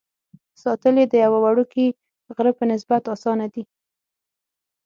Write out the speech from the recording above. ساتل یې د یوه وړوکي غره په نسبت اسانه دي.